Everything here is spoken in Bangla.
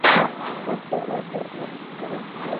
বাধ্য হয়ে তা উদগিরন করে দেয়।